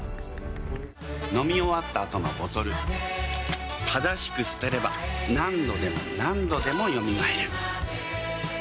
飲み終わったあとのボトル正しく捨てれば何度でも何度でもよみがえる。